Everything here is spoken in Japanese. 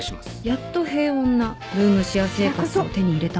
やっと平穏なルームシェア生活を手に入れたんです。